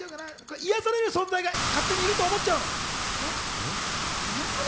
癒される存在が勝手にいると思っちゃうの。